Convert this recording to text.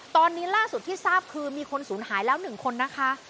ตอนนี้ล่าสุดที่ทราบคือมีคนสูญหายแล้ว๑คนนะคะ